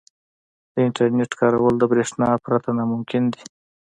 • د انټرنیټ کارول د برېښنا پرته ناممکن دي.